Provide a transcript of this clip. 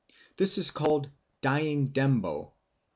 This is called 'dying Ndembo.'